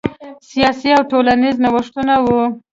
سیاسي او ټولنیز نوښتونه وو.